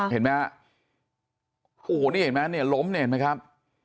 เห็นมั้ยฮะโอ้โหนี่เห็นมั้ยเนี่ยล้มเนี่ยเห็นมั้ยครับ